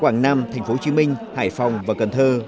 quảng nam thành phố hồ chí minh hải phòng và cần thơ